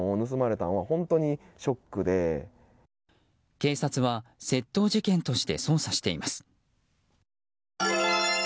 警察は窃盗事件として捜査しています。